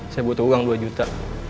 saya butuh uang dua juta